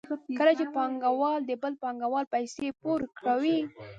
کله چې پانګوال د بل پانګوال پیسې پور کوي